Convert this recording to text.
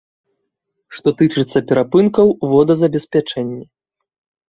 Што тычыцца перапынкаў у водазабеспячэнні.